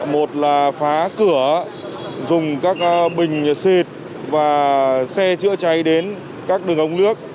một là phá cửa dùng các bình xịt và xe chữa cháy đến các đường ống nước